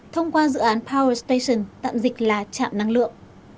thông qua dự án power station tạm dịch là trạm năng lượng